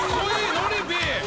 ノリピー。